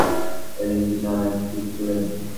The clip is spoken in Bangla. সেদিন তিনি অনেক তীর ছুড়েন।